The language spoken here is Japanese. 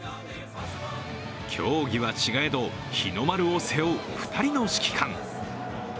競技は違えど、日の丸を背負う２人の指揮官。